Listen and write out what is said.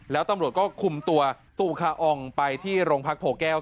แล้วตำรวจก็คุมตัวตูคาอองไปที่โรงพักโพแก้ว